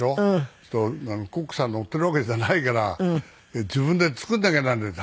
そうするとコックさん乗っているわけじゃないから自分で作らなきゃならないんです。